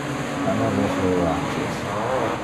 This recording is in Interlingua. Ama vos le oranges?